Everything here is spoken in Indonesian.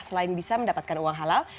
selain bisa mendapatkan uang halal